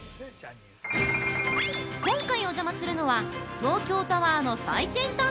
今回、お邪魔するのは東京タワーの最先端